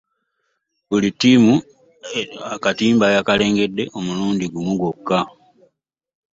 Buli ttiimu akatimba yakalengedde omulundi gumu gwokka.